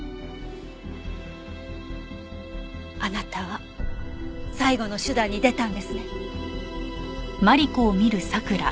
あなたは最後の手段に出たんですね？